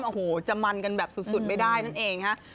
โอ้โหจะมันกันแบบสุดไม่ได้นั่นเองฮะ